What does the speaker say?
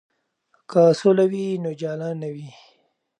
که سوله وي نو جاله نه وي.